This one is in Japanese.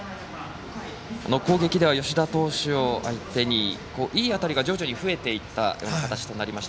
攻撃では吉田投手を相手にいい当たりが徐々に増えていった形となりました。